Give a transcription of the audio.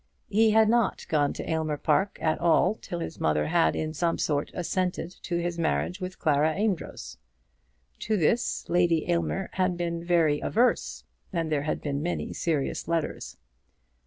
He had not gone to Aylmer Park at all till his mother had in some sort assented to his marriage with Clara Amedroz. To this Lady Aylmer had been very averse, and there had been many serious letters.